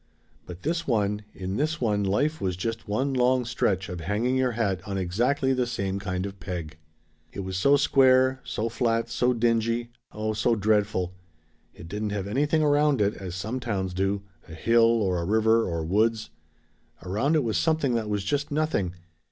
But this one in this one life was just one long stretch of hanging your hat on exactly the same kind of peg! "It was so square so flat so dingy oh, so dreadful! It didn't have anything around it as some towns do a hill, or a river, or woods. Around it was something that was just nothing.